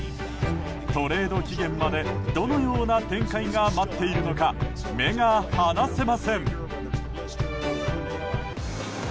トレード期限までどのような展開が待っているのか目が離せません。